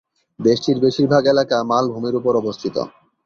দেশটির বেশিরভাগ এলাকা মালভূমির উপর অবস্থিত।